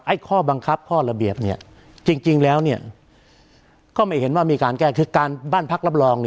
ข้อบังคับข้อระเบียบเนี่ยจริงแล้วก็ไม่เห็นว่ามีการแก้คือการบ้านพักรับรอง